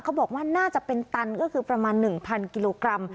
เขาบอกว่าน่าจะเป็นตันก็คือประมาณ๑๐๐กิโลกรัม